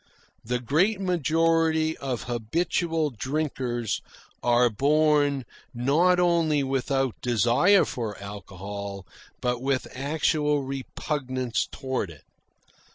The great majority of habitual drinkers are born not only without desire for alcohol, but with actual repugnance toward it.